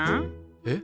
えっ？